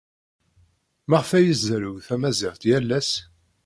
Maɣef ay izerrew tamaziɣt yal ass?